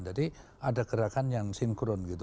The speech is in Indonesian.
jadi ada gerakan yang sinkron gitu